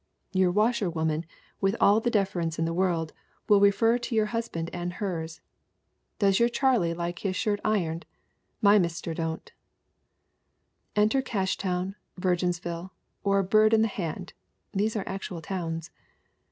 Your washerwoman, with all the deference in the world, will refer to your hus 222 THE WOMEN WHO MAKE OUR NOVELS band and hers: 'Does your Charlie like his shirt ironed? My mister don't/ "Enter Cashtown, Virginsville, or Bird In Thc Hand (these are actual towns).